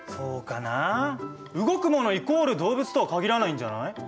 イコール動物とは限らないんじゃない？